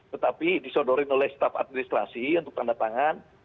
tetapi disodorin oleh staff administrasi untuk tanda tangan